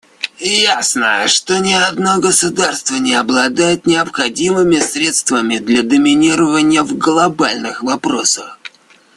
Ясно, что ни одно государство не обладает необходимыми средствами для доминирования в глобальных вопросах.